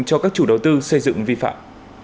cho các chủ đầu tư xây dựng vi phạm